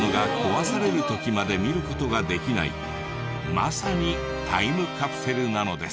まさにタイムカプセルなのです。